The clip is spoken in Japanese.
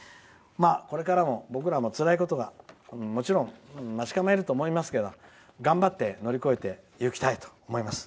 これからも僕らもつらいことがもちろん待ち構えると思いますが頑張って乗り越えていきたいと思います。